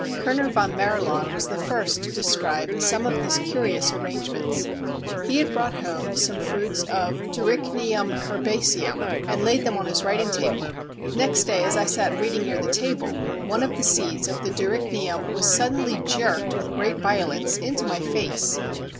Kerner von Marilaun was the first to describe some of these curious arrangements. He had brought home some fruits of Dorycnium herbaceum and laid them on his writing table. "Next day as I sat reading near the table, one of the seeds of the Dorycnium was suddenly jerked with great violence into my face."